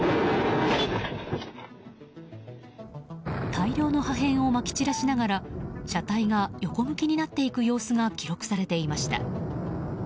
大量の破片をまき散らしながら車体が横向きになっていく様子が記録されていました。